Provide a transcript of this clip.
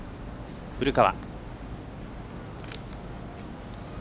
古川。